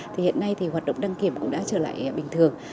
thì hiện nay thì hoạt động đăng kiểm cũng đã trở lại bình thường